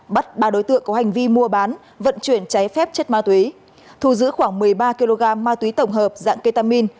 bắt ba đối tượng có hành vi mua bán vận chuyển cháy phép chất ma túy thu giữ khoảng một mươi ba kg ma túy tổng hợp dạng ketamin